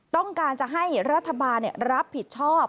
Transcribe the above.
ต้องการจะให้รัฐบาลรับผิดชอบ